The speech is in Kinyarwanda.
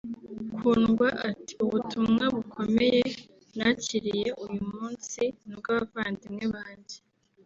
Kundwa ati “Ubutumwa bukomeye nakiriye uyu munsi ni ubw’abavandimwe banjye